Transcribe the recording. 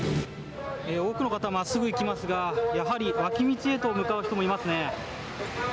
多くの方、まっすぐ行きますが、やはり脇道へと向かう人もいますね。